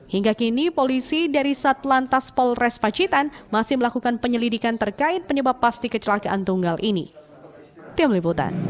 hingga kini polisi dari satlantas polres pacitan masih melakukan penyelidikan terkait penyebab pasti kecelakaan tunggal ini